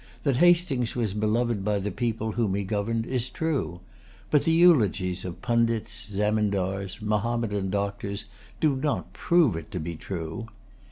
That Hastings was beloved by the people whom he governed is true; but the eulogies of pundits, zemindars, Mahommedan doctors, do not prove it to be true.